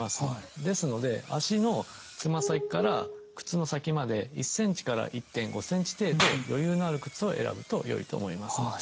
ですので足のつま先から靴の先まで１１．５センチ程度余裕のある靴を選ぶとよいと思います。